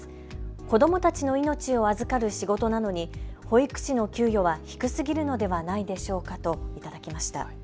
子どもたちの命を預かる仕事なのに保育士の給与は低すぎるのではないでしょうかと頂きました。